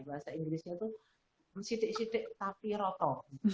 bahasa inggrisnya itu sitik sitik tapi roto